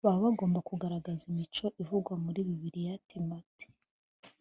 baba bagomba kugaragaza imico ivugwa muri Bibiliya Timote